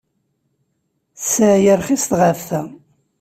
Ssaɛa-a rxiset ɣef ta.